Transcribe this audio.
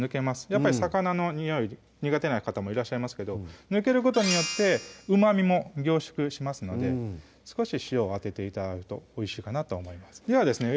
やっぱり魚のにおい苦手な方もいらっしゃいますけど抜けることによってうまみも凝縮しますので少し塩を当てて頂くとおいしいかなと思いますではですね